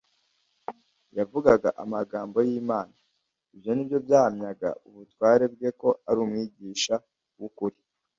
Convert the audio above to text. Yavugaga amagambo y'Imana. Ibyo nibyo byahamyaga ubutware bwe ko ari Umwigisha w'ukuri.